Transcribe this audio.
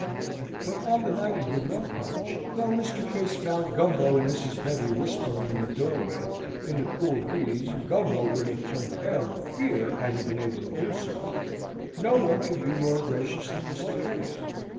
But on the night of the rum punch, though Mr. Case found Gumbo and Mrs. Betty whispering in the doorway, in the cool breeze, and Gumbo would have turned pale with fear had he been able so to do, no one could be more gracious than Mr. Case.